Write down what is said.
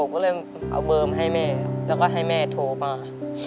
ก็เลยเอาเบอร์มาให้แม่แล้วก็ให้แม่โทรมา